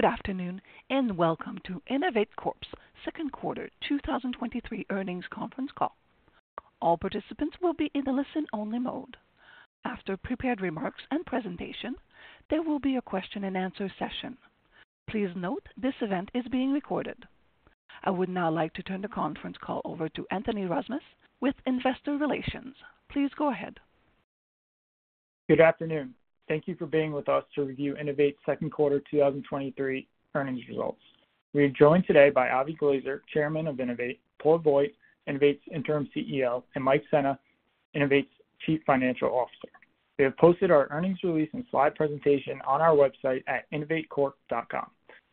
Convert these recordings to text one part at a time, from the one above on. Good afternoon, and welcome to INNOVATE Corp's second quarter 2023 earnings conference call. All participants will be in the listen-only mode. After prepared remarks and presentation, there will be a question-and-answer session. Please note, this event is being recorded. I would now like to turn the conference call over to Anthony Rozmus with Investor Relations. Please go ahead. Good afternoon. Thank you for being with us to review INNOVATE's second quarter 2023 earnings results. We are joined today by Avie Glazer, Chairman of INNOVATE, Paul Voigt, INNOVATE's Interim CEO, and Mike Sena, INNOVATE's Chief Financial Officer. We have posted our earnings release and slide presentation on our website at innovatecorp.com.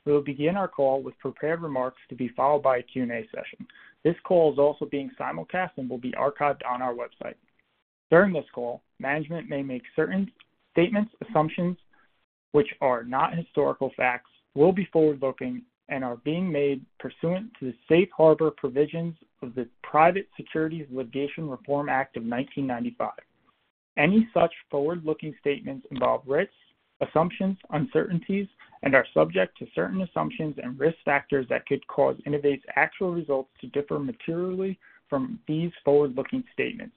We will begin our call with prepared remarks to be followed by a Q&A session. This call is also being simulcast and will be archived on our website. During this call, management may make certain statements, assumptions, which are not historical facts, will be forward-looking, and are being made pursuant to the Safe Harbor provisions of the Private Securities Litigation Reform Act of 1995. Any such forward-looking statements involve risks, assumptions, uncertainties, and are subject to certain assumptions and risk factors that could cause INNOVATE's actual results to differ materially from these forward-looking statements.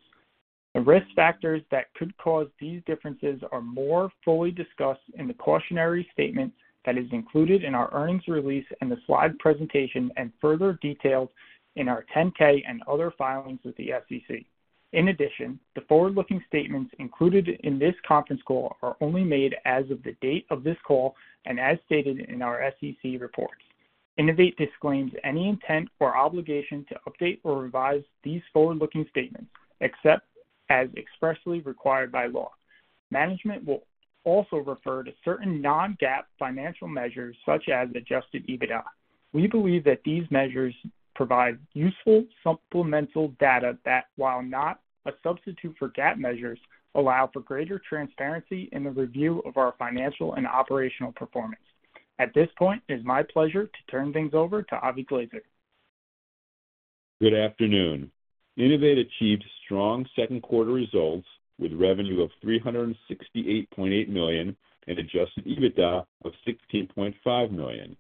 The risk factors that could cause these differences are more fully discussed in the cautionary statement that is included in our earnings release and the slide presentation, and further detailed in our 10-K and other filings with the SEC. The forward-looking statements included in this conference call are only made as of the date of this call and as stated in our SEC reports. INNOVATE disclaims any intent or obligation to update or revise these forward-looking statements, except as expressly required by law. Management will also refer to certain non-GAAP financial measures, such as Adjusted EBITDA. We believe that these measures provide useful supplemental data that, while not a substitute for GAAP measures, allow for greater transparency in the review of our financial and operational performance. At this point, it's my pleasure to turn things over to Avie Glazer. Good afternoon. INNOVATE achieved strong second quarter results with revenue of $368.8 million and Adjusted EBITDA of $16.5 million.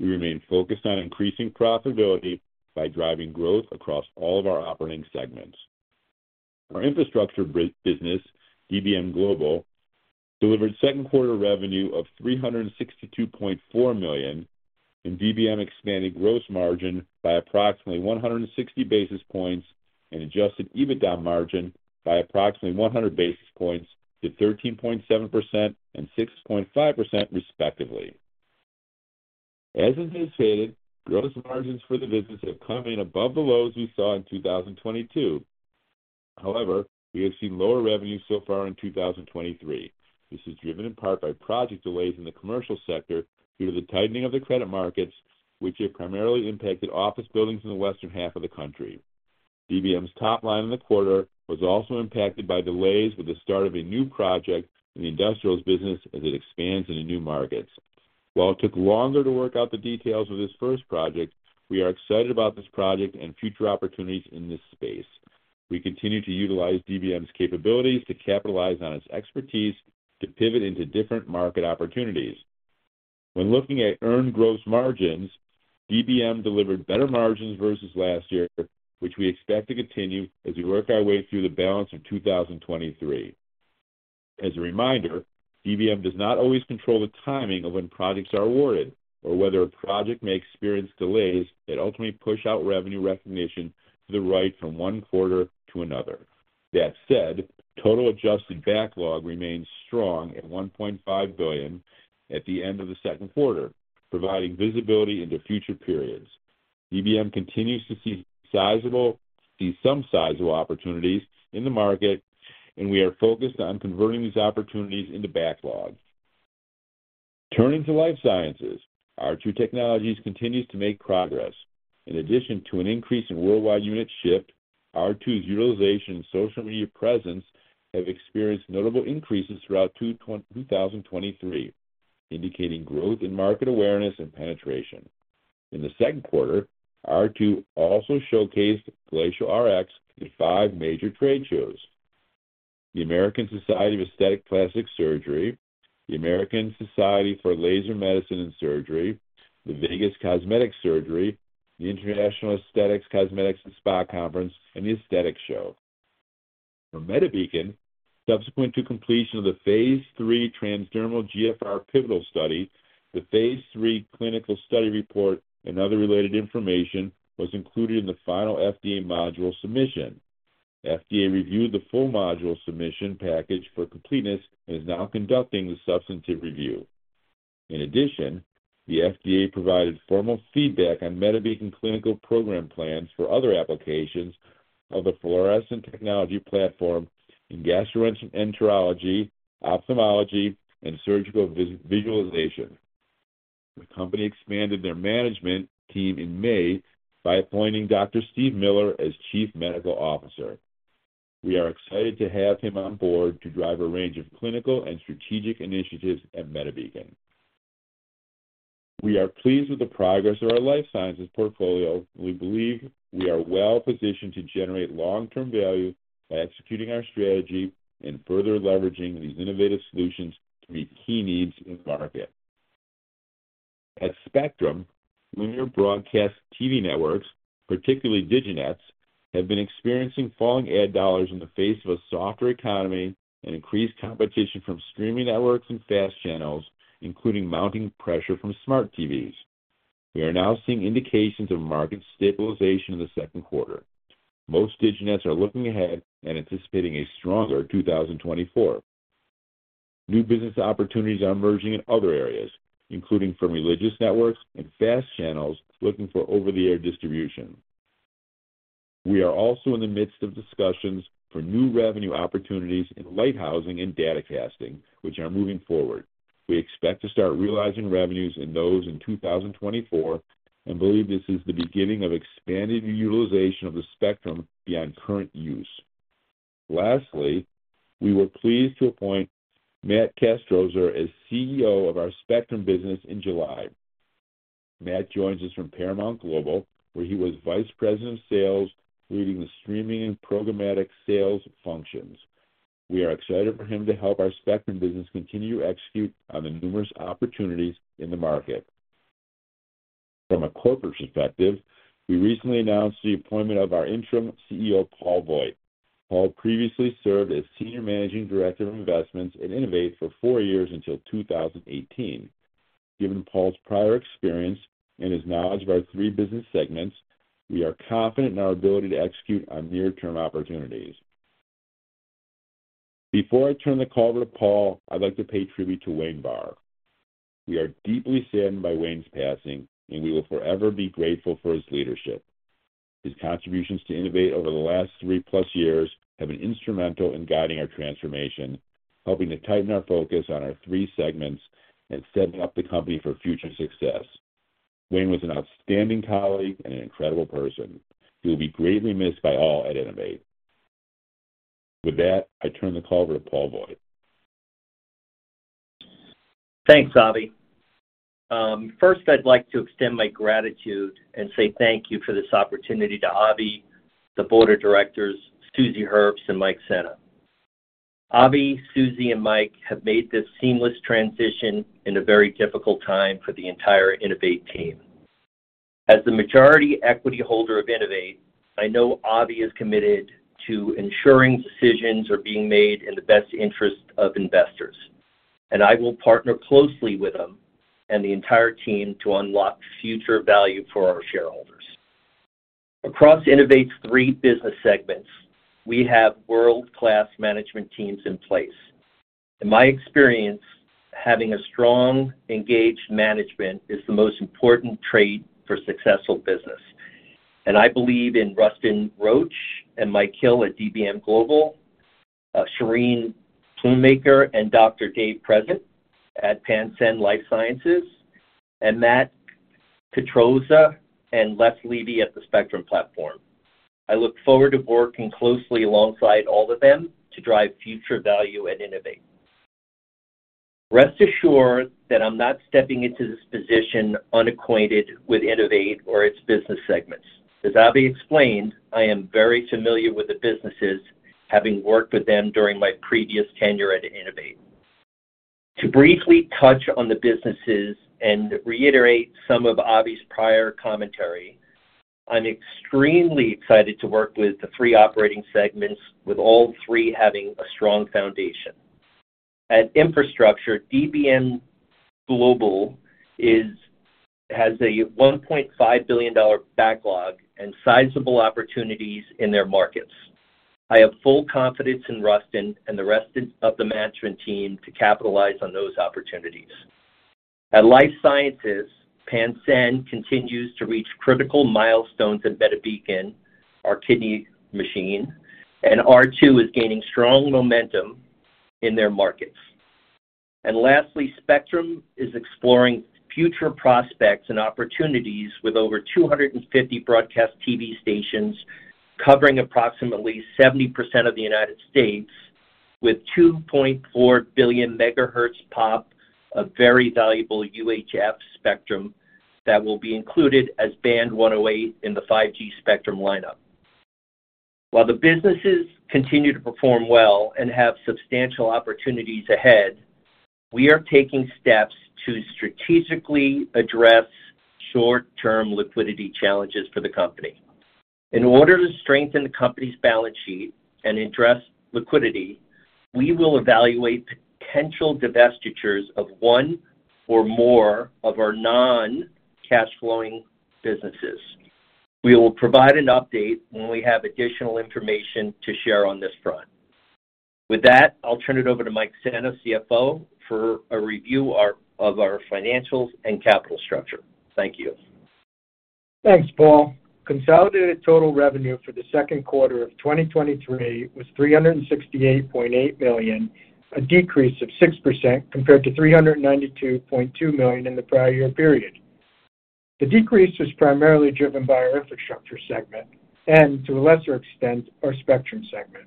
We remain focused on increasing profitability by driving growth across all of our operating segments. Our infrastructure business, DBM Global, delivered second quarter revenue of $362.4 million. DBM expanded gross margin by approximately 160 basis points and Adjusted EBITDA margin by approximately 100 basis points to 13.7% and 6.5% respectively. As indicated, gross margins for the business have come in above the lows we saw in 2022. However, we have seen lower revenues so far in 2023. This is driven in part by project delays in the commercial sector due to the tightening of the credit markets, which have primarily impacted office buildings in the western half of the country. DBM's top line in the quarter was also impacted by delays with the start of a new project in the industrials business as it expands into new markets. While it took longer to work out the details of this first project, we are excited about this project and future opportunities in this space. We continue to utilize DBM's capabilities to capitalize on its expertise to pivot into different market opportunities. When looking at earned gross margins, DBM delivered better margins versus last year, which we expect to continue as we work our way through the balance of 2023. As a reminder, DBM does not always control the timing of when projects are awarded or whether a project may experience delays that ultimately push out revenue recognition to the right from 1 quarter to another. That said, total adjusted backlog remains strong at $1.5 billion at the end of the second quarter, providing visibility into future periods. DBM continues to see some sizable opportunities in the market. We are focused on converting these opportunities into backlog. Turning to life sciences, R2 Technologies continues to make progress. In addition to an increase in worldwide units shipped, R2's utilization and social media presence have experienced notable increases throughout 2023, indicating growth in market awareness and penetration. In the second quarter, R2 also showcased Glacial Rx at five major trade shows: the American Society for Aesthetic Plastic Surgery, the American Society for Laser Medicine and Surgery, the Vegas Cosmetic Surgery, the International Esthetics, Cosmetics, and Spa Conference, and The Aesthetic Show. For MediBeacon, subsequent to completion of the phase 3 transdermal GFR pivotal study, the phase 3 clinical study report and other related information was included in the final FDA module submission. FDA reviewed the full module submission package for completeness and is now conducting the substantive review. In addition, the FDA provided formal feedback on MediBeacon clinical program plans for other applications of the fluorescent technology platform in gastroenterology, ophthalmology, and surgical visualization. The company expanded their management team in May by appointing Dr. Steve Miller as Chief Medical Officer. We are excited to have him on board to drive a range of clinical and strategic initiatives at MediBeacon. We are pleased with the progress of our life sciences portfolio. We believe we are well positioned to generate long-term value by executing our strategy and further leveraging these innovative solutions to meet key needs in the market.... At Spectrum, linear broadcast TV networks, particularly diginets, have been experiencing falling ad dollars in the face of a softer economy and increased competition from streaming networks and FAST channels, including mounting pressure from smart TVs. We are now seeing indications of market stabilization in the second quarter. Most diginets are looking ahead and anticipating a stronger 2024. New business opportunities are emerging in other areas, including from religious networks and FAST channels looking for over-the-air distribution. We are also in the midst of discussions for new revenue opportunities in lighthousing and datacasting, which are moving forward. We expect to start realizing revenues in those in 2024 and believe this is the beginning of expanded utilization of the spectrum beyond current use. We were pleased to appoint Matt Katroza as CEO of our Spectrum business in July. Matt joins us from Paramount Global, where he was Vice President of Sales, leading the streaming and programmatic sales functions. We are excited for him to help our Spectrum business continue to execute on the numerous opportunities in the market. From a corporate perspective, we recently announced the appointment of our interim CEO, Paul Voigt. Paul previously served as Senior Managing Director of Investments at INNOVATE for 4 years until 2018. Given Paul's prior experience and his knowledge of our three business segments, we are confident in our ability to execute on near-term opportunities. Before I turn the call over to Paul, I'd like to pay tribute to Wayne Barr. We are deeply saddened by Wayne's passing. We will forever be grateful for his leadership. His contributions to INNOVATE over the last three-plus years have been instrumental in guiding our transformation, helping to tighten our focus on our three segments and setting up the company for future success. Wayne was an outstanding colleague and an incredible person. He will be greatly missed by all at INNOVATE. With that, I turn the call over to Paul Voigt. Thanks, Avie. First, I'd like to extend my gratitude and say thank you for this opportunity to Avie, the board of directors, Suzi Herbst, and Mike Sena. Avie, Suzi, and Mike have made this seamless transition in a very difficult time for the entire INNOVATE team. As the majority equity holder of INNOVATE, I know Avie is committed to ensuring decisions are being made in the best interest of investors. I will partner closely with him and the entire team to unlock future value for our shareholders. Across INNOVATE's three business segments, we have world-class management teams in place. In my experience, having a strong, engaged management is the most important trait for successful business. I believe in Rustin Roach and Mike Hill at DBM Global, Cherine Plumlee and Dr. David Present at Pansend Life Sciences, and Matt Katroza and Les Levy at the Spectrum Platform. I look forward to working closely alongside all of them to drive future value at INNOVATE. Rest assured that I'm not stepping into this position unacquainted with INNOVATE or its business segments. As Avie explained, I am very familiar with the businesses, having worked with them during my previous tenure at INNOVATE. To briefly touch on the businesses and reiterate some of Avie's prior commentary, I'm extremely excited to work with the three operating segments, with all three having a strong foundation. At Infrastructure, DBM Global has a $1.5 billion backlog and sizable opportunities in their markets. I have full confidence in Rustin and the rest of the management team to capitalize on those opportunities. At Life Sciences, Pansend continues to reach critical milestones at MediBeacon, our kidney monitor, and R2 is gaining strong momentum in their markets. Lastly, Spectrum is exploring future prospects and opportunities with over 250 broadcast TV stations, covering approximately 70% of the United States, with 2.4 billion MHz-POP, a very valuable UHF spectrum that will be included as Band 108 in the 5G Spectrum lineup. While the businesses continue to perform well and have substantial opportunities ahead, we are taking steps to strategically address short-term liquidity challenges for the company. In order to strengthen the company's balance sheet and address liquidity, we will evaluate potential divestitures of one or more of our non-cash flowing businesses. We will provide an update when we have additional information to share on this front. With that, I'll turn it over to Mike Sena, CFO, for a review of our financials and capital structure. Thank you. Thanks, Paul. Consolidated total revenue for the second quarter of 2023 was $368.8 million, a decrease of 6% compared to $392.2 million in the prior year period. The decrease was primarily driven by our infrastructure segment and to a lesser extent, our Spectrum segment.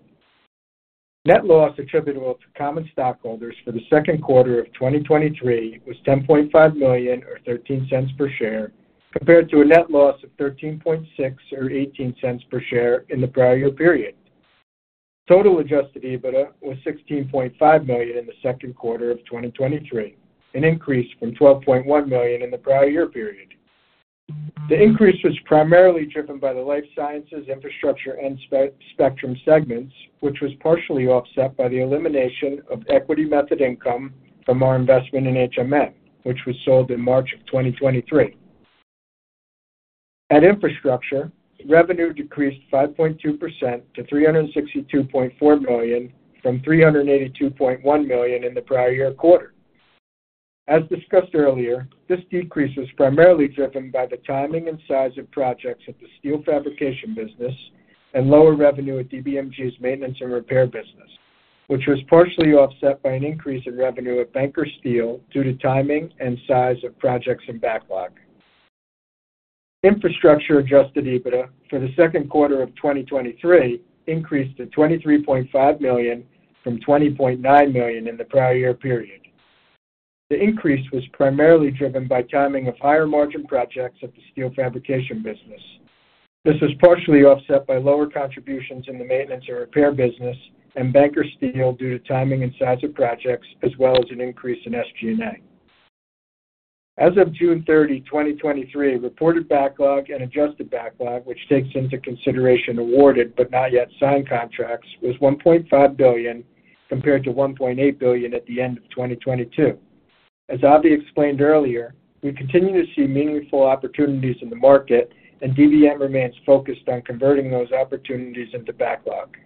Net loss attributable to common stockholders for the second quarter of 2023 was $10.5 million, or $0.13 per share, compared to a net loss of $13.6 million or $0.18 per share in the prior year period. Total Adjusted EBITDA was $16.5 million in the second quarter of 2023, an increase from $12.1 million in the prior year period. The increase was primarily driven by the life sciences, infrastructure, and spectrum segments, which was partially offset by the elimination of equity method income from our investment in HMN, which was sold in March 2023. At Infrastructure, revenue decreased 5.2% to $362.4 million from $382.1 million in the prior year quarter. As discussed earlier, this decrease was primarily driven by the timing and size of projects at the steel fabrication business and lower revenue at DBMG's maintenance and repair business, which was partially offset by an increase in revenue at Banker Steel due to timing and size of projects and backlog. Infrastructure Adjusted EBITDA for the second quarter of 2023 increased to $23.5 million from $20.9 million in the prior year period. The increase was primarily driven by timing of higher margin projects at the steel fabrication business. This was partially offset by lower contributions in the maintenance and repair business and Banker Steel due to timing and size of projects, as well as an increase in SG&A. As of June 30, 2023, reported backlog and adjusted backlog, which takes into consideration awarded but not yet signed contracts, was $1.5 billion, compared to $1.8 billion at the end of 2022. As Avie explained earlier, we continue to see meaningful opportunities in the market. DBM remains focused on converting those opportunities into backlog.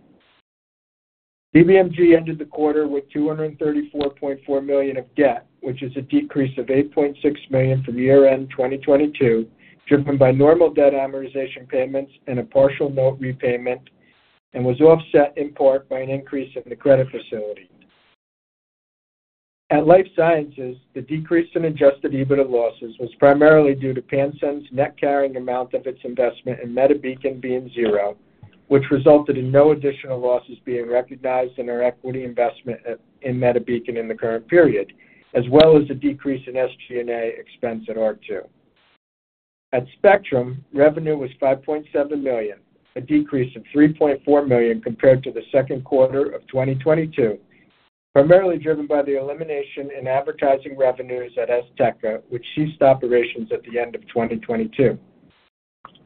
DBMG ended the quarter with $234.4 million of debt, which is a decrease of $8.6 million from year-end 2022, driven by normal debt amortization payments and a partial note repayment, was offset in part by an increase in the credit facility. At Life Sciences, the decrease in Adjusted EBITDA losses was primarily due to Pansend's net carrying amount of its investment in MediBeacon being zero, which resulted in no additional losses being recognized in our equity investment in MediBeacon in the current period, as well as a decrease in SG&A expense at R2. At Spectrum, revenue was $5.7 million, a decrease of $3.4 million compared to the second quarter of 2022, primarily driven by the elimination in advertising revenues at Azteca, which ceased operations at the end of 2022.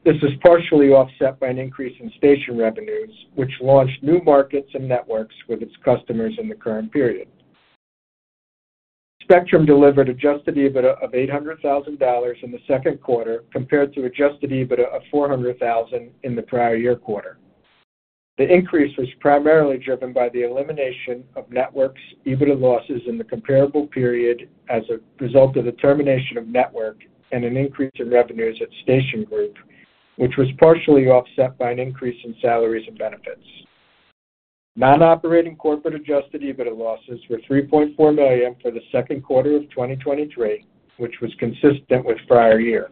This is partially offset by an increase in station revenues, which launched new markets and networks with its customers in the current period. Spectrum delivered adjusted EBITDA of $800,000 in the second quarter, compared to adjusted EBITDA of $400,000 in the prior year quarter. The increase was primarily driven by the elimination of networks, EBITDA losses in the comparable period as a result of the termination of network and an increase in revenues at Station Group, which was partially offset by an increase in salaries and benefits. Non-operating corporate adjusted EBITDA losses were $3.4 million for the second quarter of 2023, which was consistent with prior year.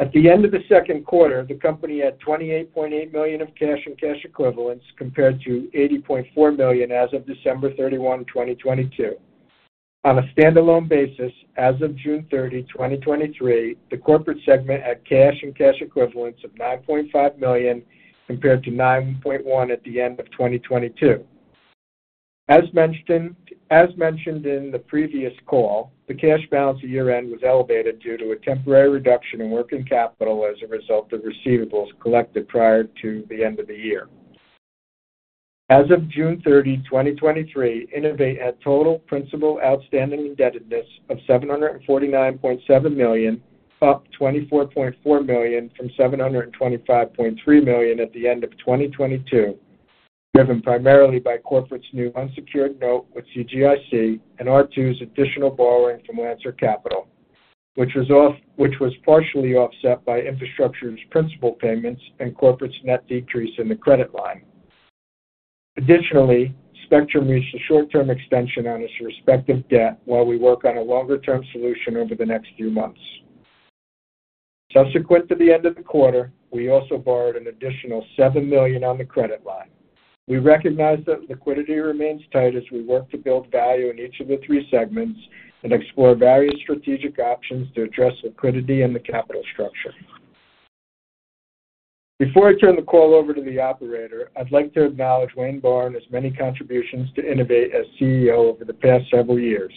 At the end of the second quarter, the company had $28.8 million of cash and cash equivalents, compared to $80.4 million as of December 31, 2022. On a standalone basis, as of June 30, 2023, the Corporate segment had cash and cash equivalents of $9.5 million, compared to $9.1 million at the end of 2022. As mentioned in the previous call, the cash balance at year-end was elevated due to a temporary reduction in working capital as a result of receivables collected prior to the end of the year. As of June 30, 2023, INNOVATE had total principal outstanding indebtedness of $749.7 million, up $24.4 million from $725.3 million at the end of 2022, driven primarily by Corporate's new unsecured note with CGIC and R2's additional borrowing from Lancer Capital, which was partially offset by Infrastructure's principal payments and Corporate's net decrease in the credit line. Additionally, Spectrum reached a short-term extension on its respective debt while we work on a longer-term solution over the next few months. Subsequent to the end of the quarter, we also borrowed an additional $7 million on the credit line. We recognize that liquidity remains tight as we work to build value in each of the three segments and explore various strategic options to address liquidity in the capital structure. Before I turn the call over to the operator, I'd like to acknowledge Wayne Barr' many contributions to INNOVATE as CEO over the past several years.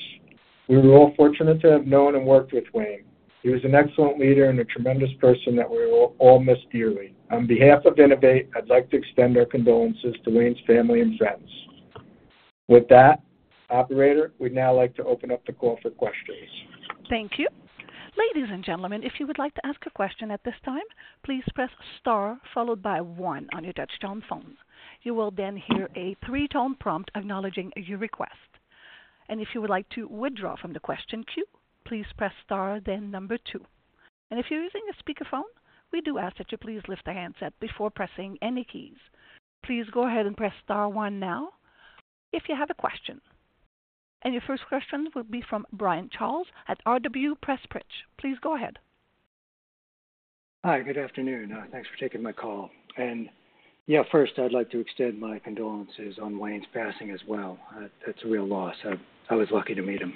We were all fortunate to have known and worked with Wayne. He was an excellent leader and a tremendous person that we will all miss dearly. On behalf of INNOVATE, I'd like to extend our condolences to Wayne's family and friends. With that, operator, we'd now like to open up the call for questions. Thank you. Ladies and gentlemen, if you would like to ask a question at this time, please press star followed by 1 on your touchtone phone. You will then hear a 3-tone prompt acknowledging your request. If you would like to withdraw from the question queue, please press star then 2. If you're using a speakerphone, we do ask that you please lift the handset before pressing any keys. Please go ahead and press star 1 now if you have a question. Your first question will be from Brian Charles at R.W. Pressprich & Co. Please go ahead. Hi, good afternoon. Thanks for taking my call., first, I'd like to extend my condolences on Wayne Barr's passing as well. That's a real loss. I, I was lucky to meet him.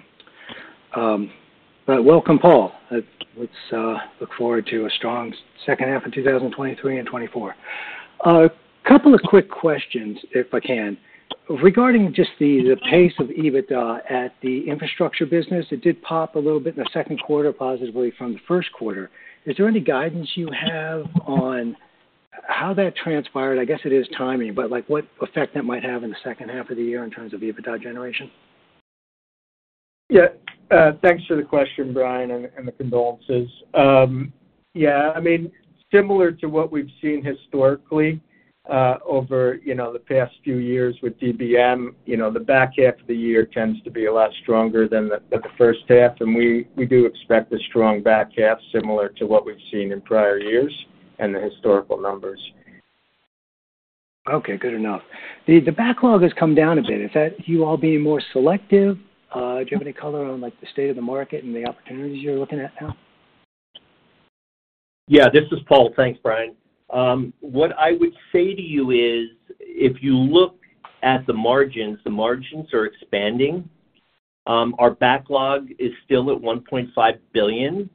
Welcome, Paul Voigt. Let's look forward to a strong second half of 2023 and 2024. Couple of quick questions, if I can. Regarding just the, the pace of EBITDA at the infrastructure business, it did pop a little bit in the second quarter, positively from the first quarter. Is there any guidance you have on how that transpired? I guess it is timing, but, like, what effect that might have in the second half of the year in terms of EBITDA generation?, thanks for the question, Brian, and the condolences., I mean, similar to what we've seen historically, over, you know, the past few years with DBM, you know, the back half of the year tends to be a lot stronger than the first half, and we, we do expect a strong back half, similar to what we've seen in prior years and the historical numbers. Okay, good enough. The backlog has come down a bit. Is that you all being more selective? Do you have any color on, like, the state of the market and the opportunities you're looking at now?, this is Paul. Thanks, Brian. What I would say to you is, if you look at the margins, the margins are expanding. Our backlog is still at $1.5 billion,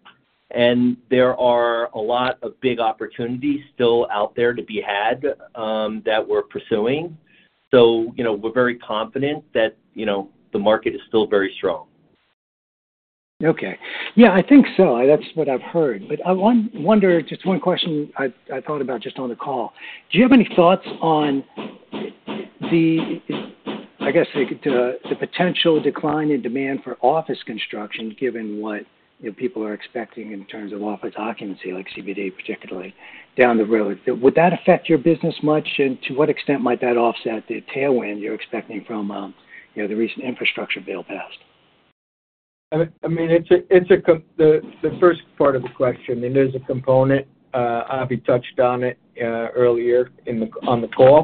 and there are a lot of big opportunities still out there to be had, that we're pursuing. You know, we're very confident that, you know, the market is still very strong. Okay., I think so. That's what I've heard. I wonder, just one question I thought about just on the call. Do you have any thoughts on the potential decline in demand for office construction, given what, you know, people are expecting in terms of office occupancy, like CBD particularly, down the road? Would that affect your business much, and to what extent might that offset the tailwind you're expecting from, you know, the recent infrastructure bill passed? I, I mean, it's a, it's a The, the first part of the question, and there's a component, Avie touched on it earlier in the, on the call,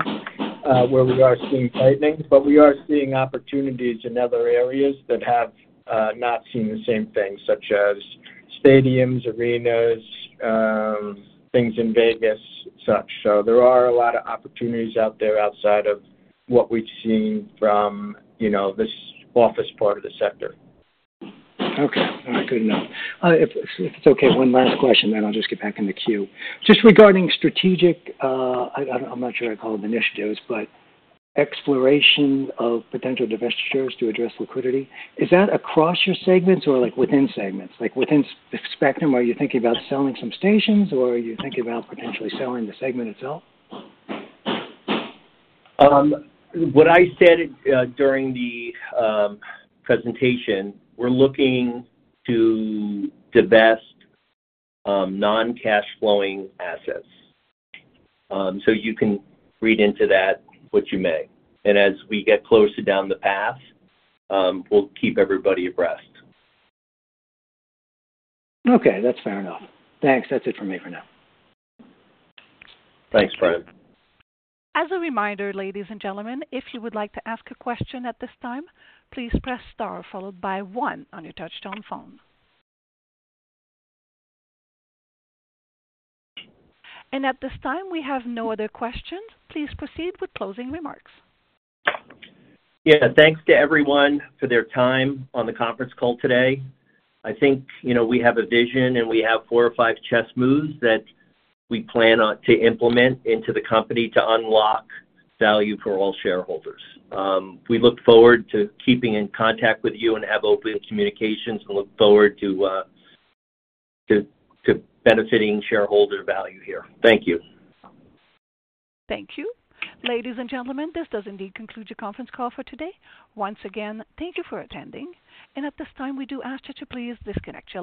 where we are seeing tightening. We are seeing opportunities in other areas that have not seen the same thing such as stadiums, arenas, things in Vegas, such. There are a lot of opportunities out there outside of what we've seen from, you know, this office part of the sector. Okay, good enough. If, if it's okay, one last question, then I'll just get back in the queue. Just regarding strategic, I'm not sure I'd call them initiatives, but exploration of potential divestitures to address liquidity, is that across your segments or, like, within segments? Like, within Spectrum, are you thinking about selling some stations, or are you thinking about potentially selling the segment itself? What I said during the presentation, we're looking to divest non-cash-flowing assets. You can read into that what you may. As we get closer down the path, we'll keep everybody abreast. Okay, that's fair enough. Thanks. That's it for me for now. Thanks, Brian. As a reminder, ladies and gentlemen, if you would like to ask a question at this time, please press star followed by one on your touchtone phone. At this time, we have no other questions. Please proceed with closing remarks.. Thanks to everyone for their time on the conference call today. I think, you know, we have a vision, and we have 4 or 5 chess moves that we plan on to implement into the company to unlock value for all shareholders. We look forward to keeping in contact with you and have open communications. We look forward to benefiting shareholder value here. Thank you. Thank you. Ladies and gentlemen, this does indeed conclude your conference call for today. Once again, thank you for attending, and at this time, we do ask that you please disconnect your lines.